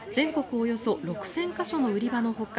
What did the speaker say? およそ６０００か所の売り場のほか